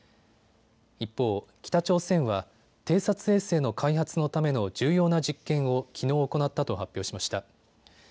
一方、北朝鮮は偵察衛星の開発のための重要な実験をきのう行ったと発表しました。